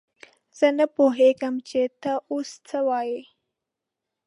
زه نه پوهېږم چې ته اوس څه وايې!